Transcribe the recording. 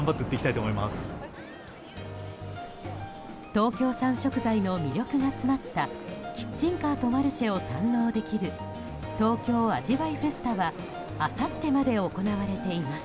東京産食材の魅力が詰まったキッチンカーとマルシェを堪能できる「東京味わいフェスタ」はあさってまで行われています。